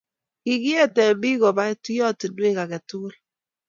kikiete biik koba tuyiotinwek age tugul